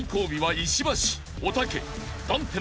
石橋